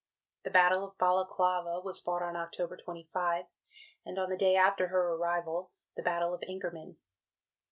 The Battle of Balaclava was fought on October 25; and on the day after her arrival, the Battle of Inkerman.